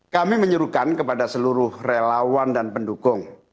kami menyuruhkan kepada seluruh relawan dan pendukung